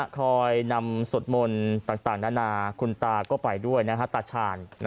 คอยนำสวดมนต์ต่างนานาคุณตาก็ไปด้วยตาชาญ